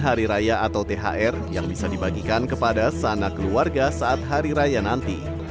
dan hariraya atau thr yang bisa dibagikan kepada sana keluarga saat hari raya nanti